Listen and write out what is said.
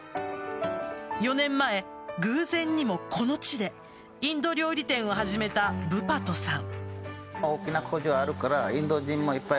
４年前、偶然にもこの地でインド料理店を始めたブパトさん。